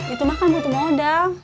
itu mah kan butuh modal